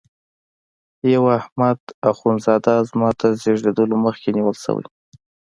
یو احمد اخوند زاده زما تر زیږېدلو مخکي نیول شوی.